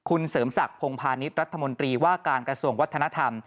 ของของเสริมสักพงษ์พานิษฐร์รัฐมนตรีว่าการกระทรวงวัฒนธรรม